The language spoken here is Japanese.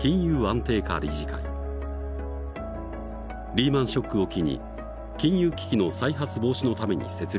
リーマンショックを機に金融危機の再発防止のために設立された。